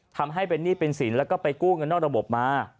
ทำให้เป็นหนี้เป็นสินแล้วก็ไปกู้เงินนอกระบบมา